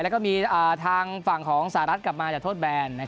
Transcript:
แล้วก็มีทางฝั่งของสหรัฐกลับมาจากโทษแบน